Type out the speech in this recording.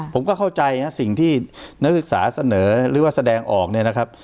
ผมก็เข้าใจนะสิ่งที่นักศึกษาเสนอหรือว่าแสดงออกเนี่ยนะครับ